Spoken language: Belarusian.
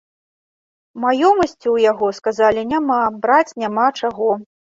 Маёмасці ў яго, сказалі, няма, браць няма чаго.